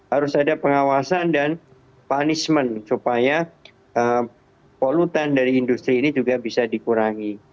harus ada pengawasan dan punishment supaya polutan dari industri ini juga bisa dikurangi